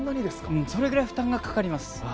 それぐらい負担がかかります。